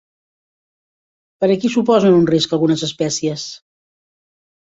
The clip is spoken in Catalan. Per a qui suposen un risc algunes espècies?